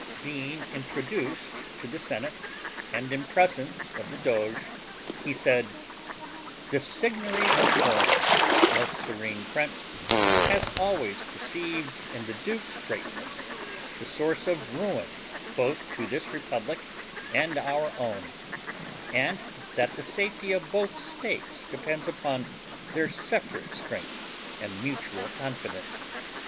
Being introduced to the senate, and in presence of the Doge, he said, "The Signory of Florence, most serene prince, has always perceived in the duke's greatness the source of ruin both to this republic and our own, and that the safety of both states depends upon their separate strength and mutual confidence.